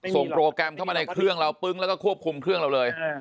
โปรแกรมเข้ามาในเครื่องเราปึ้งแล้วก็ควบคุมเครื่องเราเลย